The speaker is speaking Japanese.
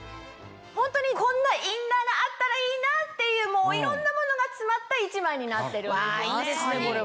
ホントにこんなインナーがあったらいいなっていういろんなものが詰まった一枚になってるんですよね。